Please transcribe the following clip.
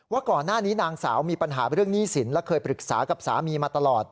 ว่าก่อนหน้านี้นางสาวมีปัญหาเรื่องหนี้สินและเคยปรึกษากับสามีมาตลอด